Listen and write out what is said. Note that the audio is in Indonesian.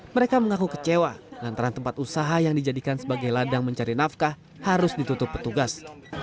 mereka mengaku kecewa lantaran tempat usaha yang dijadikan sebagai ladang mencari nafkah harus ditutup petugas